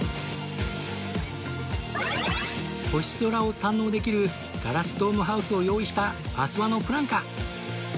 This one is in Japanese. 星空を堪能できるガラスドームハウスを用意した阿諏訪のプランか？